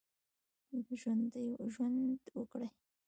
ژوند وکړي.